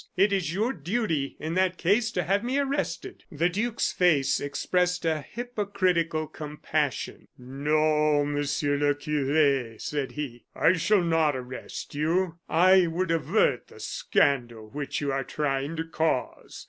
It is your duty, in that case, to have me arrested." The duke's face expressed a hypocritical compassion. "No, Monsieur le Cure," said he, "I shall not arrest you. I would avert the scandal which you are trying to cause.